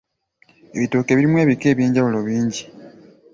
Ebitooke birimu ebika eby'enjawulo bingi .